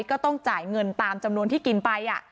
ก็ต้องจ่ายเงินตามจำนวนที่กินไป